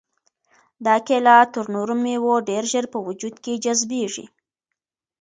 دا کیله تر نورو مېوو ډېر ژر په وجود کې جذبیږي.